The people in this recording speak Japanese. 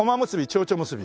ちょうちょ結び？